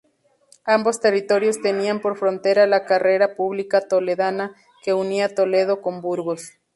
Ambos territorios tenían por frontera la Carrera Pública Toledana, que unía Toledo con Burgos.